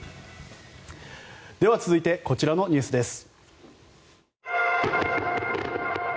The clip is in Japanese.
続いて、こちらのニュースです。